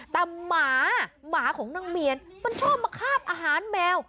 แต่หมาหมาของนางเมียนมันชอบมาคาบอาหารแมว